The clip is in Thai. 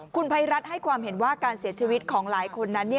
คุณภัยรัฐให้ความเห็นว่าการเสียชีวิตของหลายคนนั้น